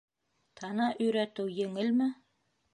Тана өйрәтеү еңелме?!